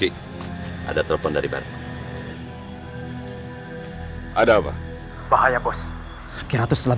kita omafik dirinya dan ini kita tidak bisa membayar ker performedan